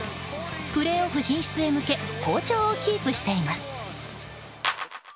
プレーオフ進出へ向け好調をキープしています。